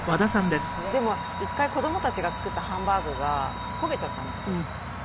でも１回子どもたちが作ったハンバーグが焦げちゃったんですよ。